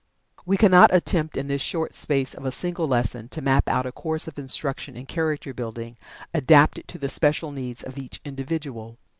We cannot attempt, in the short space of a single lesson, to map out a course of instruction in Character Building adapted to the special needs of each individual.